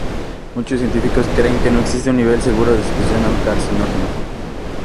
Muchos científicos creen que no existe un nivel seguro de exposición a un carcinógeno.